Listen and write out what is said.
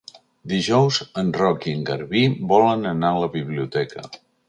Dijous en Roc i en Garbí volen anar a la biblioteca.